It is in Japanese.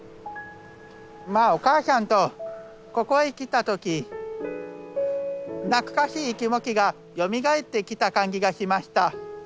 まあお母さんとここへ来た時懐かしい気持ちがよみがえってきた感じがしました。